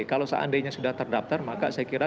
kalau seandainya sudah terdaftar maka saya kira